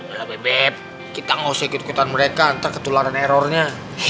udah beb kita gak usah ikut ikutan mereka ntar ketularan errornya